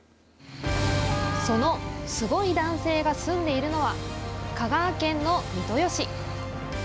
そのすごい男性が住んでいるのは、香川県の三豊市。